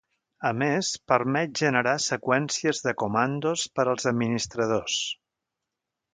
A més, permet generar seqüències de comandos per als administradors.